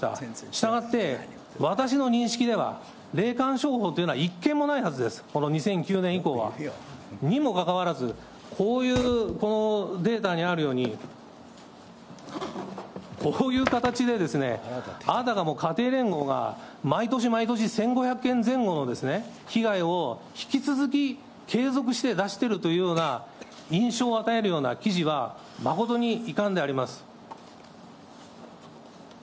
したがって、私の認識では、霊感商法というのは一件もないはずです、この２００９年以降は。にもかかわらず、こういう、このデータにあるように、こういう形で、あたかも家庭連合が毎年毎年１５００件前後の被害を引き続き継続して出してるというような印象を与えるような記事は、まことに遺憾であります。